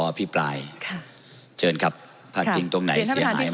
อภิปรายค่ะเชิญครับพาดพิงตรงไหนเสียหายไหม